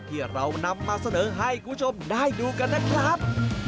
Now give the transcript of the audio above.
ที่เรานำมาเสนอให้คุณผู้ชมได้ดูกันนะครับ